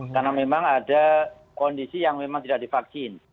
karena memang ada kondisi yang memang tidak divaksin